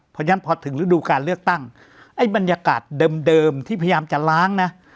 เพราะฉะนั้นพอถึงฤดูการเลือกตั้งไอ้บรรยากาศเดิมที่พยายามจะล้างนะ